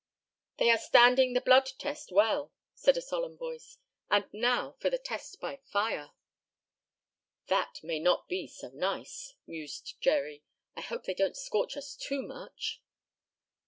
"They are standing the blood test well," said a solemn voice. "And now for the test by fire." "That may not be so nice," mused Jerry. "I hope they don't scorch us too much."